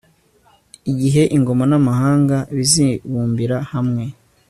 igihe ingoma n'amahanga bizibumbira hamwe